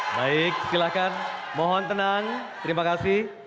baik silakan mohon tenang terima kasih